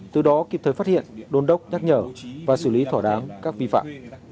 từ đó kịp thời phát hiện đôn đốc nhắc nhở và xử lý thỏa đáng các vi phạm